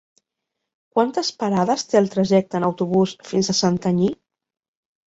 Quantes parades té el trajecte en autobús fins a Santanyí?